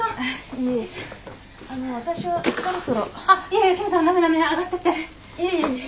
いえいえ。